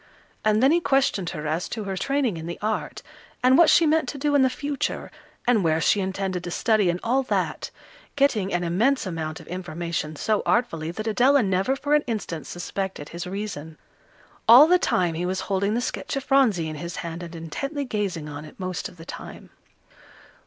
And then he questioned her as to her training in the art, and what she meant to do in the future, and where she intended to study and all that, getting an immense amount of information so artfully that Adela never for an instant suspected his reason. All the time he was holding the sketch of Phronsie in his hand, and intently gazing on it most of the time.